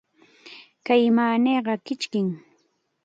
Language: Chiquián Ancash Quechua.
Kay naaniqa kichkim.